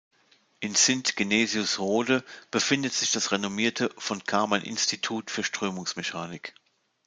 In Sint-Genesius-Rode befindet sich das renommierte von-Karman-Institut für Strömungsmechanik.